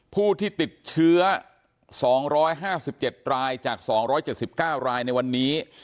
ผู้ที่ติดเชื้อ๒๕๗รายจาก๒๗๙รายในวันนี้